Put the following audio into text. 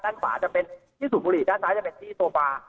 ด้านขวาจะเป็นที่สูบบุหรี่ด้านซ้ายจะเป็นที่โซฟา